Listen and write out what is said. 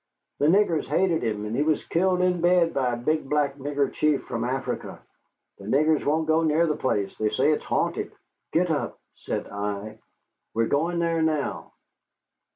The niggers hated him, and he was killed in bed by a big black nigger chief from Africa. The niggers won't go near the place. They say it's haunted." "Get up," said I; "we're going there now."